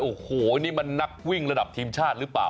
โอ้โหนี่มันนักวิ่งระดับทีมชาติหรือเปล่า